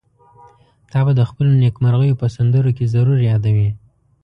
تا به د خپلو نېکمرغيو په سندرو کې ضرور يادوي.